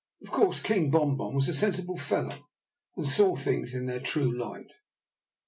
Of course King Bom Bom was a sensible fellow, and saw things in their true light.